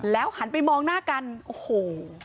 หันไปมองหน้ากันโอ้โห